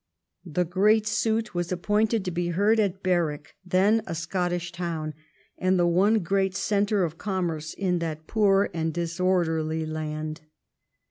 The great suit was appointed to be heard at Ber wick, then a Scottish town, and the one great centre of commerce in that poor and disorderly land.